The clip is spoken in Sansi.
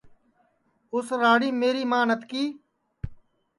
اُس راڑیم میری ماں نتکی